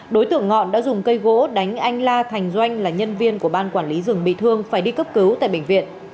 đối tượng ngọn đã dùng cây gỗ đánh anh la thành doanh là nhân viên của ban quản lý rừng bị thương phải đi cấp cứu tại bệnh viện